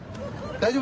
大丈夫？